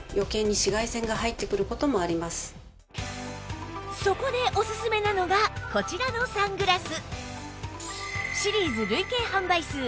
ではそこでオススメなのがこちらのサングラス